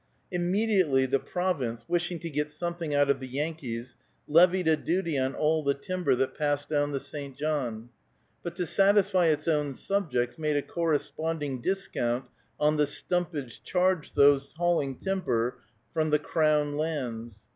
Immediately, the Province, wishing to get something out of the Yankees, levied a duty on all the timber that passed down the St. John; but to satisfy its own subjects "made a corresponding discount on the stumpage charged those hauling timber from the crown lands."